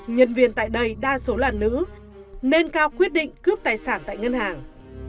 nhân viên tại đây đa số là nữ nên cao quyết định cướp tài sản tại ngân hàng